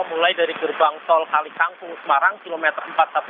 mulai dari gerbang tol kalikangkung semarang kilometer empat ratus tiga puluh empat